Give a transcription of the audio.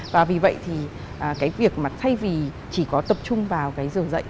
và vì vậy thì cái việc mà thay vì chỉ có tập trung vào cái giờ dạy